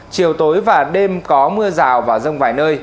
chiều tối và đêm có mưa rào và rông vài nơi